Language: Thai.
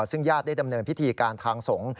ซึ่งญาติได้ดำเนินพิธีการทางสงฆ์